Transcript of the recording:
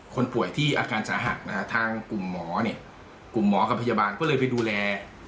คนป่วยที่อาการสระหักทางกลุ่มหมอกับพยาบาลก็เลยไปดูแล